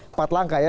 empat langkah ya